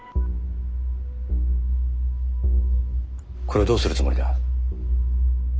これをどうするつもりだ？